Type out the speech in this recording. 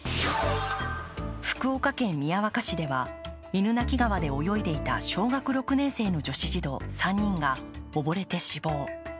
福岡県宮若市では犬鳴川で泳いでいた小学６年生の女子児童３人が溺れて死亡。